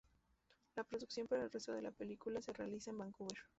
La producción para el resto de la película se realizará en Vancouver.